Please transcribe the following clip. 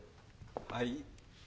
はい？